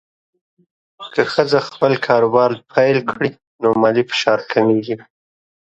که ښځه خپل کاروبار پیل کړي، نو مالي فشار کمېږي.